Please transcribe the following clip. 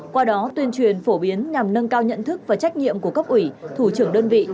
qua đó tuyên truyền phổ biến nhằm nâng cao nhận thức và trách nhiệm của cấp ủy thủ trưởng đơn vị